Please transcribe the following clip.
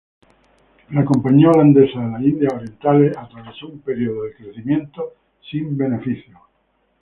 La Compañía Neerlandesa de las Indias Orientales atravesó un periodo de crecimiento sin beneficios.